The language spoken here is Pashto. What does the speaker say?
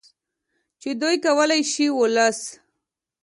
چې دوی کولې شي چې ولس